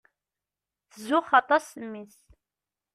Tzuxx aṭas s mmi-s.